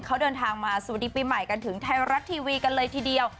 เขาเดินทางมาสวัสดีปีใหม่กันถึงไทยรัฐทีวีกันเลยทีเดียว